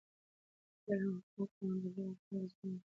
د علم او حکمت خاوند علي رض د ځوانانو لپاره یوه الګو ده.